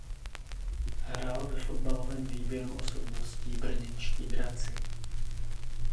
Hrál ve fotbalovém výběru osobností Brněnští draci.